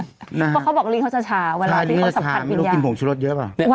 เพราะเขาบอกลิ้นเขาจะฉ่าเวลาที่เขาสับผัดกินยา